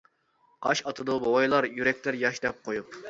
قاش ئاتىدۇ بوۋايلار، يۈرەكلەر ياش دەپ قويۇپ.